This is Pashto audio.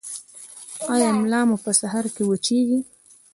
ایا ملا مو په سهار کې وچیږي؟